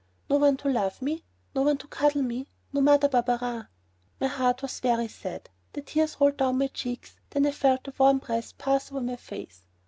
No one to love me; no one to cuddle me; no Mother Barberin! My heart was very sad. The tears rolled down my cheeks, then I felt a warm breath pass over my face.